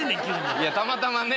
いやたまたまね